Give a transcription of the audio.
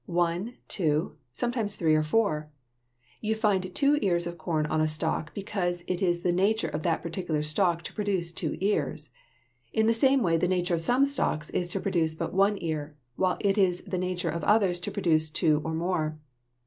One, two, sometimes three or four. You find two ears of corn on a stalk because it is the nature of that particular stalk to produce two ears. In the same way the nature of some stalks is to produce but one ear, while it is the nature of others sometimes to produce two or more.